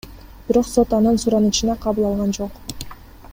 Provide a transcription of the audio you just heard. Бирок сот анын суранычына кабыл алган жок.